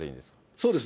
そうです。